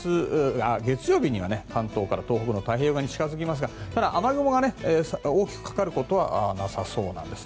月曜日には関東から東北の太平洋側に近付きますがただ、雨雲が大きくかかることはなさそうなんです。